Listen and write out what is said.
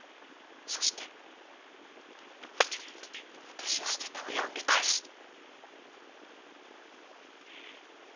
そして私を捨てた親を見返す。